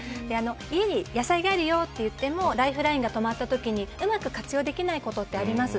家に野菜があるよといってもライフラインが止まった時にうまく活用できないことがあります。